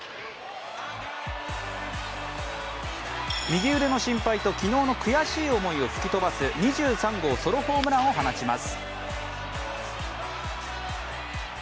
右腕の心配と昨日の悔しい思いを吹き飛ばす２３号ソロホームランを放ちます。